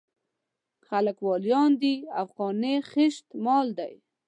خلک واليان دي او قانع خېشت مال دی.